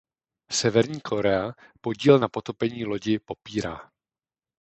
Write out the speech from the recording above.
Severní Korea podíl na potopení lodi popírá.